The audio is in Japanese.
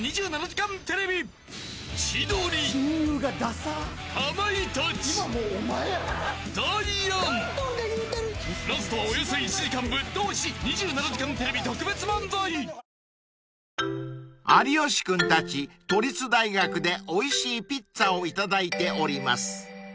サントリーセサミン［有吉君たち都立大学でおいしいピッツァをいただいております］